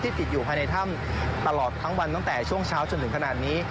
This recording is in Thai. ติดอยู่ภายในถ้ำตลอดทั้งวันตั้งแต่ช่วงเช้าจนถึงขนาดนี้